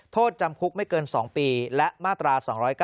โทษจำคุกไม่เกิน๒ปีและมาตรา๒๙